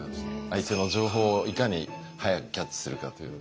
相手の情報をいかに早くキャッチするかという。